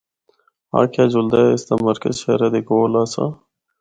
آکھیا جُلدا اے اس دا مرکز شہرا دے کول آسا۔